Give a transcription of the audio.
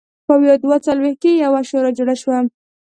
په ویا دوه څلوېښت کې یوه شورا جوړه شوه.